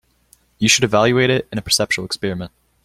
You should evaluate it in a perceptual experiment.